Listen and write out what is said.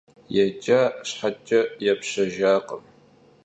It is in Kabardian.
Yêca şheç'e, yêpşejjakhım.